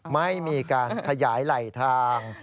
ไม่มีการขยายไหลทาง